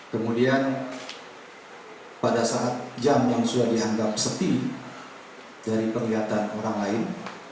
kemudian pada saat jam yang sudah dianggap sepi dari penglihatan orang lain